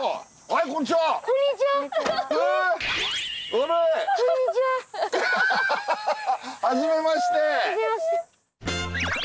はじめまして。